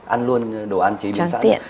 ăn luôn đồ ăn chế biến sẵn